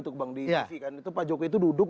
di tv kan pak jokowi itu duduk